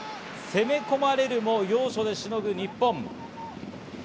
攻め込まれるも要所でしのぐ日本。